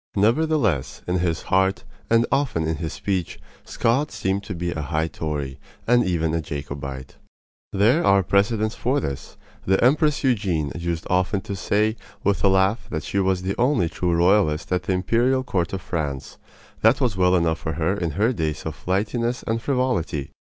Nevertheless, in his heart, and often in his speech, Scott seemed to be a high Tory, and even a Jacobite. There are precedents for this. The Empress Eugenie used often to say with a laugh that she was the only true royalist at the imperial court of France. That was well enough for her in her days of flightiness and frivolity.